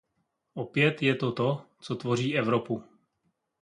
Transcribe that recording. Opět je to to, co tvoří Evropu .